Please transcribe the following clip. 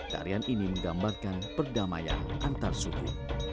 tarian ini menggambarkan perdamaian antarsuku